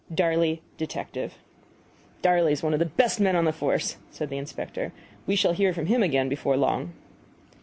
DARLEY, Detective. "Darley's one of the best men on the force," said the inspector. "We shall hear from him again before long."